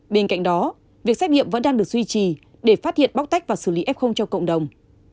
bên cạnh đó việc xét nghiệm vẫn đang được duy trì để phát hiện bóc tách và xử lý f cho cộng đồng